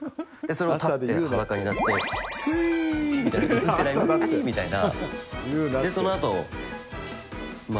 それを立って裸になってウィーみたいな映っていない、ウィーみたいな。